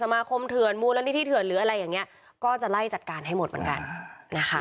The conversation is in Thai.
ไม่เถือนหรืออะไรอย่างนี้ก็จะไล่จัดการให้หมดเหมือนกัน